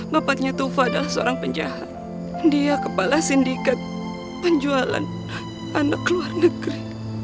bapaknya tova adalah seorang penjahat dia kepala sindikat penjualan anak luar negeri